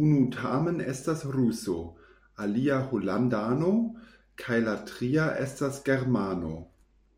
Unu tamen estas ruso, alia holandano kaj la tria estas germano.